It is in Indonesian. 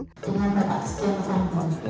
dengan hasil novanto